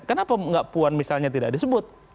kenapa nggak puan misalnya tidak disebut